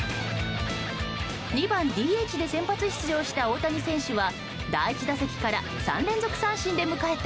２番ＤＨで先発出場した大谷選手は第１打席から３連続三振で迎えた